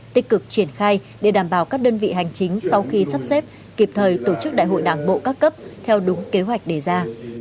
tích cực triển khai để đảm bảo các đơn vị hành chính sau khi sắp xếp kịp thời tổ chức đại hội đảng bộ các cấp theo đúng kế hoạch đề ra